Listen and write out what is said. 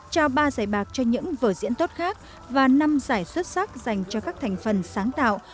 trao ba giải bạc cho những vở diễn tốt khác và năm giải xuất sắc dành cho các thành phần sáng tạo